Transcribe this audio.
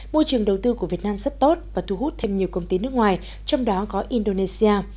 môi trường đầu tư của việt nam rất tốt và thu hút thêm nhiều công ty nước ngoài trong đó có indonesia